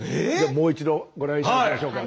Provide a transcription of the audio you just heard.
もう一度ご覧頂きましょうか。